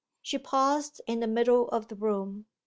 She paused in the middle of the room.